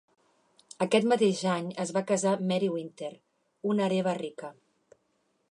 Aquest mateix any es va casar amb Mary Wynter, una hereva rica.